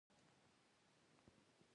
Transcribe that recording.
د ونې پوستکی کلک او زوړ دی.